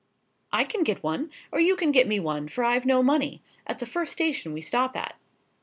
"I can get one—or you can get me one, for I've no money—at the first station we stop at."